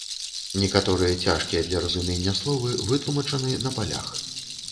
Некаторыя цяжкія для разумення словы вытлумачаны на палях.